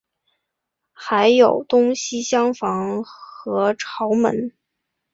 还有东西厢房和朝门。